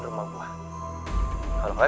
itu yang era